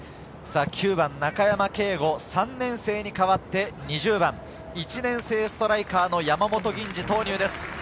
９番の中山桂吾、３年生に代わって２０番、１年生ストライカーの山本吟侍投入です。